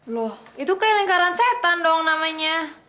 loh itu kayak lingkaran setan dong namanya